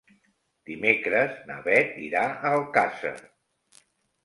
Dimecres na Beth irà a Alcàsser.